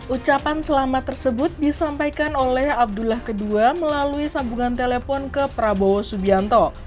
ucapan selamat tersebut disampaikan oleh abdullah ii melalui sambungan telepon ke prabowo subianto